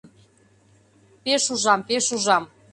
— Пеш ужам, пеш ужам.